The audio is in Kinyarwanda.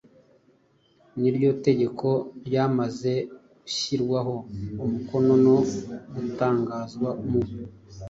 niryo tegeko ryamaze gushyirwaho umukono no gutangazwa mu